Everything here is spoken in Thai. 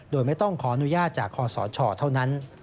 โดยไม่ต้องขออนุญาตจากคอสชเท่านั้น